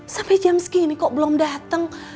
sampai jam segini kok belum datang